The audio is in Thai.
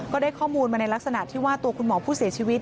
ก็ได้ข้อมูลมาในลักษณะที่ว่าตัวคุณหมอผู้เสียชีวิต